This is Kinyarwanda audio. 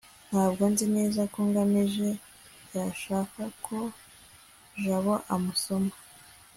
ntabwo nzi neza ko ngamije yashaka ko jabo amusoma